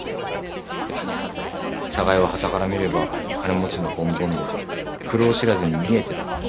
寒河江ははたから見れば金持ちのぼんぼんで苦労知らずに見えてた。